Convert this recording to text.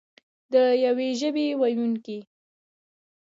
د یوې ژبې ویونکي.